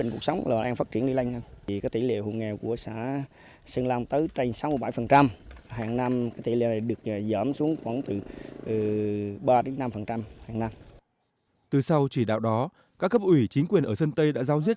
các cấp ủy chính quyền ở sơn tây đã giao duyết